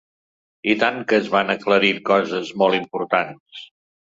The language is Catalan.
I tant que es van aclarint coses molt importants.